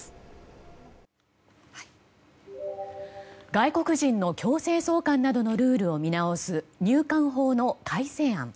外国人の強制送還などのルールを見直す入管法の改正案。